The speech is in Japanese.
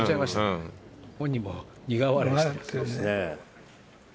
本人も苦笑いしてますよ。